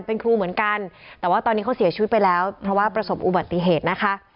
เป็นครูเหมือนกันแต่ว่าตอนนี้เขาเสียชีวิตไปแล้วเพราะว่าประสบอุบัติเหตุนะคะ